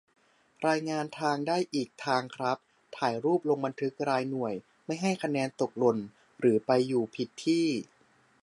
รายงานทาง ได้อีกทางครับ ถ่ายรูป ลงบันทึกรายหน่วย ไม่ให้คะแนนตกหล่นหรือไปอยู่ผิดที่